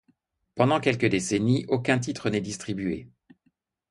Pendant quelques décennies aucun titre n'est distribué.